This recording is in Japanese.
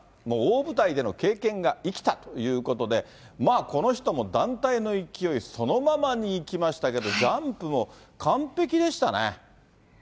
もう大舞台での経験が生きたということで、まあ、この人も団体の勢いそのままにいきましたけど、ジャンプも完璧でしたね。